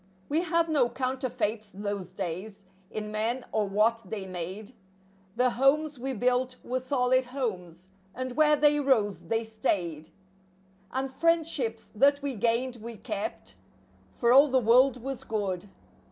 We had no counterfeits those days, in men or what they made; The homes we built were solid homes, and where they rose they stayed; And friendships that we gained we kept, for all the world was good.